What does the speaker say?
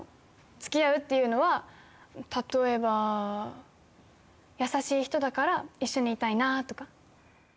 つきあうっていうのは例えば、優しい人だから一緒にいたいなとか。